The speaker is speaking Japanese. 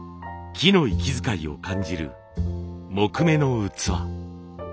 木の息遣いを感じる木目の器。